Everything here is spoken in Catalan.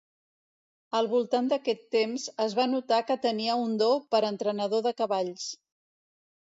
Al voltant d'aquest temps, es va notar que tenia un do per entrenador de cavalls.